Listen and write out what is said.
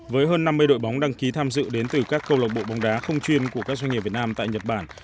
với hơn năm mươi đội bóng đăng ký tham dự đến từ các câu lộc bộ bóng đá không chuyên của các doanh nghiệp việt nam tại nhật bản